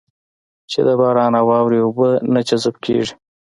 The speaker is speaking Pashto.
چې د باران او واورې اوبه نه جذب کېږي.